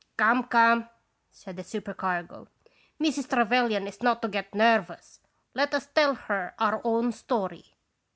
" Come, come," said the supercargo, "Mrs. Trevelyan is not to get nervous. Let us tell her our own story.